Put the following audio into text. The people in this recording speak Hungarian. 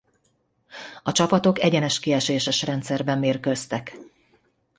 A csapatok egyenes kieséses rendszerben mérkőztek.